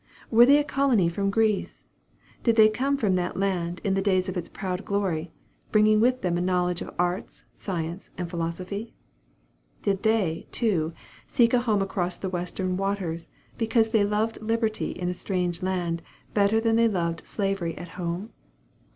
Were they a colony from Greece? Did they come from that land in the days of its proud glory, bringing with them a knowledge of arts, science, and philosophy? Did they, too, seek a home across the western waters, because they loved liberty in a strange land better than they loved slavery at home?